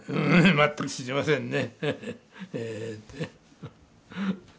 全く知りませんね。